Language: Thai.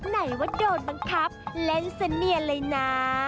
ไหนว่าโดนบังคับเล่นเสนียเลยนะ